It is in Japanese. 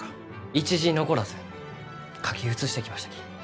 一字残らず書き写してきましたき。